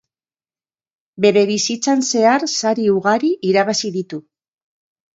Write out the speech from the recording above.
Bere bizitzan zehar sari ugari irabazi ditu.